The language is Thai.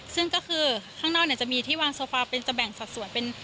ซึ่งก็คือข้างนอกเนี่ยจะมีที่วางโซฟาเป็นจำแบ่งสัดส่วน